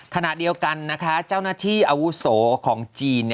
ขณะเดียวกันนะคะเจ้าหน้าที่อาวุโสของจีน